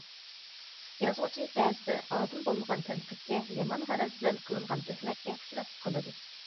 يازغۇچى بەزىدە ئادىل بولمىغان تەنقىدكە، يامان غەرەز بىلەن قىلىنغان تۆھمەتكە ئۇچراپمۇ قالىدۇ.